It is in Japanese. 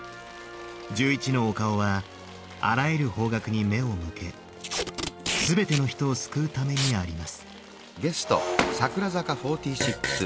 １１のお顔はあらゆる方角に目を向け全ての人を救うためにあります。